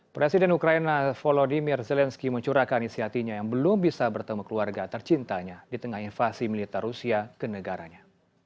presiden ukraina volodymyr zelensky mencurahkan isi hatinya yang belum bisa bertemu keluarga tercintanya di tengah invasi militer rusia ke negaranya